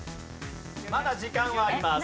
まだ時間はあります。